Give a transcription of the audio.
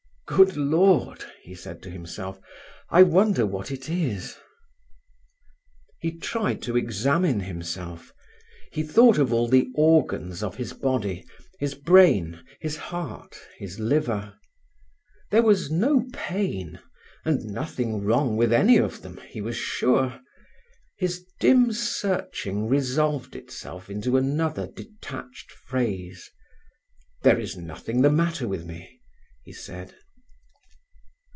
"Good Lord!" he said to himself. "I wonder what it is." He tried to examine himself. He thought of all the organs of his body—his brain, his heart, his liver. There was no pain, and nothing wrong with any of them, he was sure. His dim searching resolved itself into another detached phrase. "There is nothing the matter with me," he said.